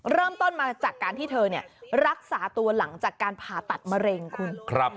เริ่มต้นมาจากการที่เธอรักษาตัวหลังจากการผ่าตัดมะเร็งคุณ